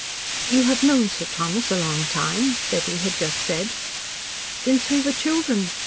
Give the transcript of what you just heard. "You have known Sir Thomas a long time?" Betty had just said. "Since we were children.